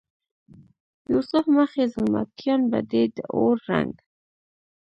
یوسف مخې زلمکیان به دې د اور رنګ،